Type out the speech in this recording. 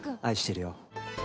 愛してるよ。